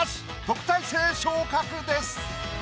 特待生昇格です。